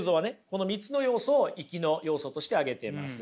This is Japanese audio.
この３つの要素をいきの要素として挙げてます。